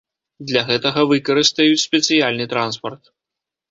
Для гэтага выкарыстаюць спецыяльны транспарт.